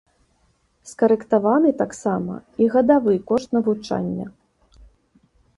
Скарэктаваны таксама і гадавы кошт навучання.